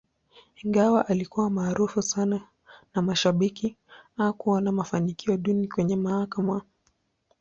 Ingawa alikuwa maarufu sana na mashabiki, hakuwa na mafanikio duni kwenye mahakama.